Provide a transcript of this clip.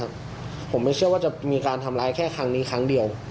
แต่ที่เราโปรดก็คือทำไมคนที่เป็นแม่เขาถึงไปปกป้อง